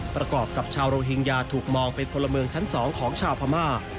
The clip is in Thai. ประกอบกับชาวโรฮิงญาถูกมองเป็นพลเมืองชั้น๒ของชาวพม่า